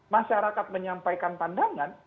masyarakat menyampaikan pandangan